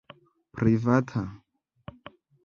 privata